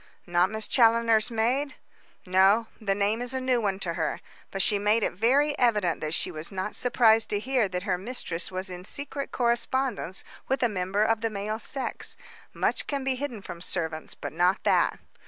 "Not Miss Challoner's maid?" "No; the name is a new one to her. But she made it very evident that she was not surprised to hear that her mistress was in secret correspondence with a member of the male sex. Much can be hidden from servants, but not that."